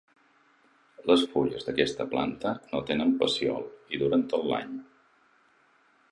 Les fulles d'aquesta planta no tenen pecíol i duren tot l'any.